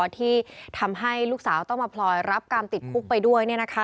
ที่ทำให้ลูกสาวต้องมาพลอยรับการติดคุกไปด้วย